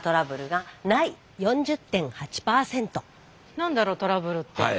何だろトラブルって。